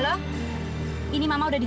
can i get your tika